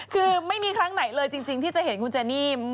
คือไม่มีครั้งไหนเลยจริงที่จะเห็นคุณเจนี่